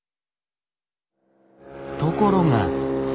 ところが。